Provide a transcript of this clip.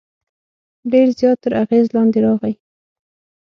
ډېر زیات تر اغېز لاندې راغی.